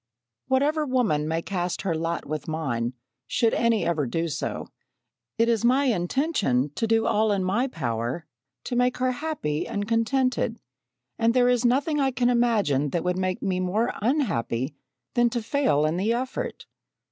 "Whatever woman may cast her lot with mine, should any ever do so, it is my intention to do all in my power to make her happy and contented; and there is nothing I can imagine that would make me more unhappy than to fail in the effort.